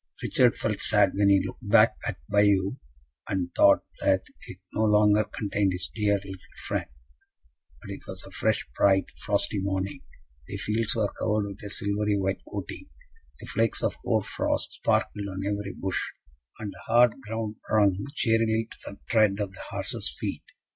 Richard felt sad when he looked back at Bayeux, and thought that it no longer contained his dear little friend; but it was a fresh bright frosty morning, the fields were covered with a silvery white coating, the flakes of hoar frost sparkled on every bush, and the hard ground rung cheerily to the tread of the horses' feet.